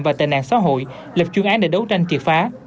và tệ nạn xã hội lập chuyên án để đấu tranh triệt phá